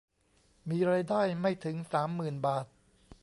มีรายได้ไม่ถึง สามหมื่น บาท